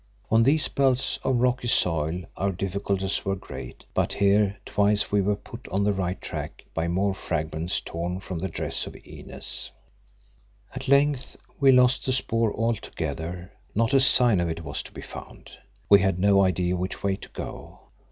On these belts of rocky soil our difficulties were great, but here twice we were put on the right track by more fragments torn from the dress of Inez. At length we lost the spoor altogether; not a sign of it was to be found. We had no idea which way to go.